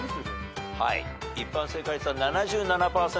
一般正解率は７７％です。